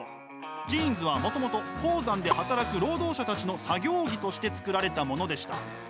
ジーンズはもともと鉱山で働く労働者たちの作業着として作られたものでした。